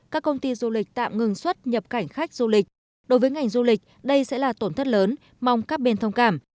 các công ty du lịch tạm ngừng xuất nhập cảnh khách du lịch đối với ngành du lịch đây sẽ là tổn thất lớn mong các bên thông cảm